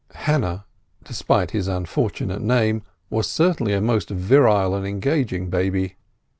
Hannah, despite his unfortunate name, was certainly a most virile and engaging baby.